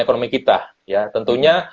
ekonomi kita ya tentunya